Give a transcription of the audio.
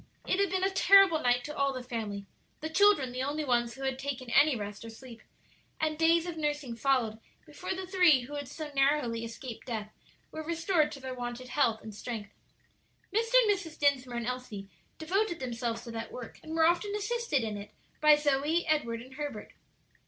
It had been a terrible night to all the family the children the only ones who had taken any rest or sleep and days of nursing followed before the three who had so narrowly escaped death were restored to their wonted health and strength. Mr. and Mrs. Dinsmore and Elsie devoted themselves to that work, and were often assisted in it by Zoe, Edward, and Herbert.